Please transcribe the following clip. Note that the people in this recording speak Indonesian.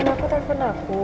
dimana aku telepon aku